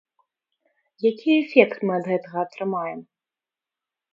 Які эфект мы ад гэтага атрымаем?